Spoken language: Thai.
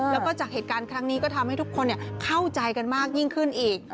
แล้วก็จากเหตุการณ์ครั้งนี้ก็ทำให้ทุกคนเข้าใจกันมากยิ่งขึ้นอีก